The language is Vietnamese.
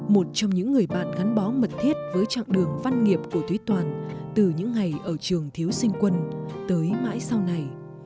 một trong những người bạn gắn bó mật thiết với trạng đường văn nghiệp của thúy toàn từ những ngày ở trường thiếu sinh quân tới mãi sau này